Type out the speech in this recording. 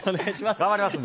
頑張りますんで。